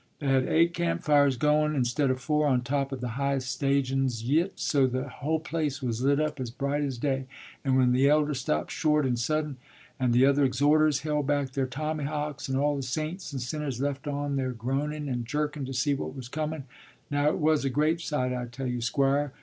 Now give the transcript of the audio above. “They had eight camp fires goun' instead o' four, on top of the highest stageun's yit, so the whole place was lit up as bright as day; and when the elder stopped short and sudden, and the other exhorters held back their tommyhawks, and all the saints and sinners left off their groanun' and jerkun' to see what was comun', now it was a great sight, I tell you, Squire.